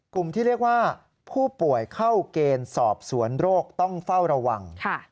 ที่เรียกว่าผู้ป่วยเข้าเกณฑ์สอบสวนโรคต้องเฝ้าระวัง